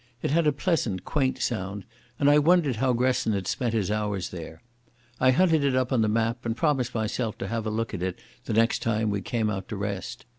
It had a pleasant, quaint sound, and I wondered how Gresson had spent his hours there. I hunted it up on the map, and promised myself to have a look at it the next time we came out to rest.